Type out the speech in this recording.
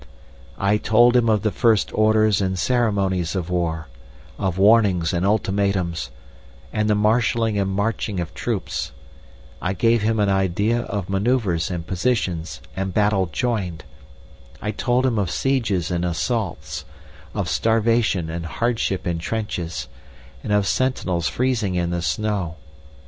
"I told him of the first orders and ceremonies of war, of warnings and ultimatums, and the marshalling and marching of troops. I gave him an idea of manoeuvres and positions and battle joined. I told him of sieges and assaults, of starvation and hardship in trenches, and of sentinels freezing in the snow.